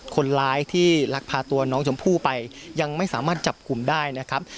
คนร้ายที่ลักพาตัวน้องชมพู่ไปยังไม่สามารถจับกลุ่มได้นะครับ